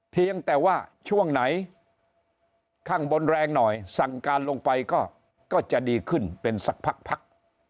เพียงแต่ว่าช่วงไหนข้างบนแรงหน่อยสั่งการลงไปก็จะดีขึ้นเป็นสักพัก